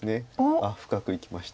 あっ深くいきました。